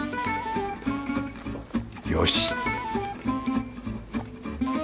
よし